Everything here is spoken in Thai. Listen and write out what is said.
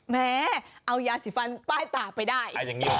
แม่เอายาสีฟันป้ายตาไปได้